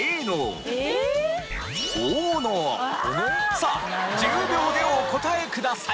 さあ１０秒でお答えください。